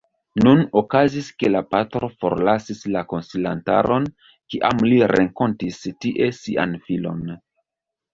Nun okazis, ke la patro forlasis la konsilantaron, kiam li renkontis tie sian filon.